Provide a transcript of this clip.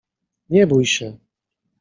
Nie bój się.